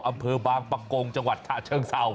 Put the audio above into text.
อำเภอบางปะโกงจังหวัดฉะเชิงเศร้า